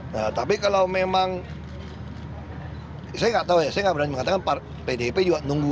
nah tapi kalau memang saya nggak tahu ya saya nggak berani mengatakan pdip juga nunggu